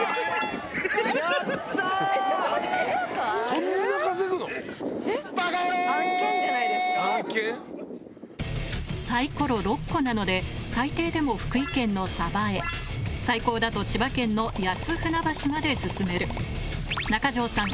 そんな稼ぐの⁉サイコロ６個なので最低でも福井県の鯖江最高だと千葉県の谷津船橋まで進める中条さん